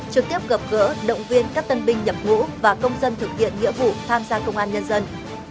trực tiếp gặp gỡ động viên các tân binh nhập ngũ và công dân thực hiện nghĩa vụ tham gia công an nhân dân